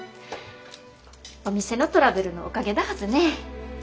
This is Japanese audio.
お店のトラブルのおかげだはずね。